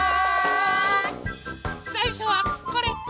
さいしょはこれ。